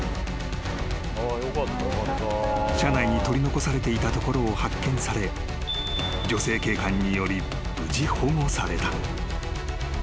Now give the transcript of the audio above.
［車内に取り残されていたところを発見され女性警官により無事保護された］